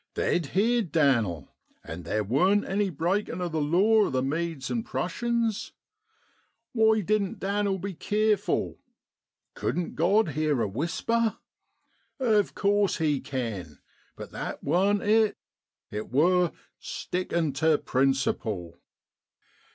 They'd heerd Dan'l and theer warn't any breakin' o' the law o' the Medes an' Prussians. Why didn't Dan'l be keerful ? Couldn't God heer a whisper ? Of cos He ken, but that warn't it, it wor stickin 1 tu principle.